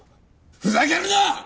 ふざけるな！